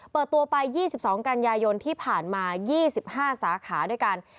เปิดตัวไป๒๒กันยายนที่ผ่านมา๒๕สาขาด้วยกัน